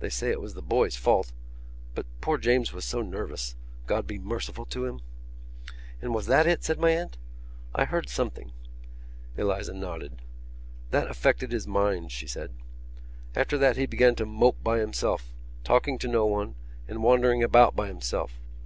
They say it was the boy's fault. But poor James was so nervous, God be merciful to him!" "And was that it?" said my aunt. "I heard something...." Eliza nodded. "That affected his mind," she said. "After that he began to mope by himself, talking to no one and wandering about by himself.